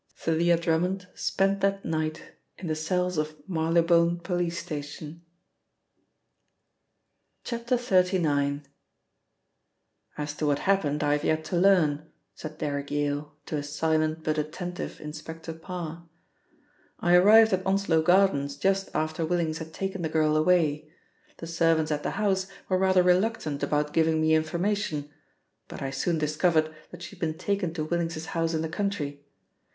Thalia Drummond spent that night in the cells of Marylebone Police Station. XXXIX "As to what happened, I have yet to learn," said Derrick Yale to a silent but attentive Inspector Parr. "I arrived at Onslow Gardens just after Willings had taken the girl away. The servants at the house were rather reluctant about giving me information, but I soon discovered that she had been taken to Willings's house in the country.